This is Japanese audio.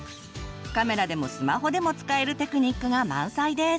カメラでもスマホでも使えるテクニックが満載です！